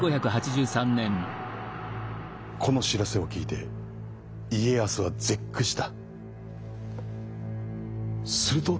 この知らせを聞いて家康は絶句した。